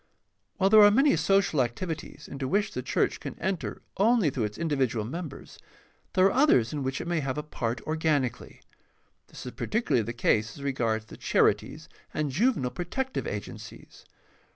— While there are many social activities into which the church can enter only through its individual members, there are others in which it may have a part organically. This is particularly the case as regards the charities and juvenile protective agen cies.